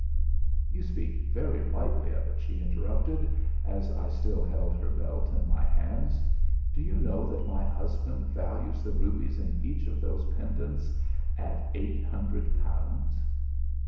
'You speak very lightly of it,' she interrupted, as I still held her belt in my hands. 'Do you know that my husband values the rubies in each of those pendants at eight hundred pounds?'